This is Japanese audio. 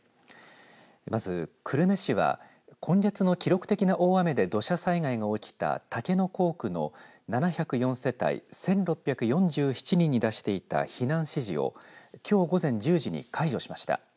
まず久留米市は今月の記録的な大雨で土砂災害が起きた竹野校区の７０４世帯１６４７人に出していた避難指示をきょう午前１０時に解除しました。